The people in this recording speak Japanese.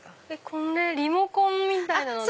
これリモコンみたいなので。